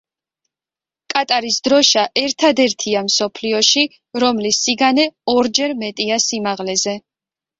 კატარის დროშა ერთადერთია მსოფლიოში, რომლის სიგანე ორჯერ მეტია სიმაღლეზე.